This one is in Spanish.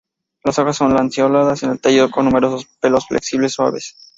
Las hojas son lanceoladas, en el tallo, con numerosos pelos flexibles suaves.